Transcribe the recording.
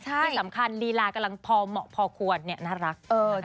ที่สำคัญลีรากระป๋าเหมาะเท่านี้น่ารัก